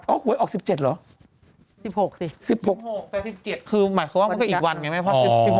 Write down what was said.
อ๋อออก๑๗หรอ๑๖สิ๑๖เป็น๑๗คือหมายความว่ามันก็อีกวันไง